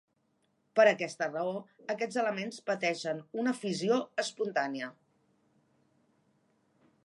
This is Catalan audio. Per aquesta raó, aquests elements pateixen una fissió espontània.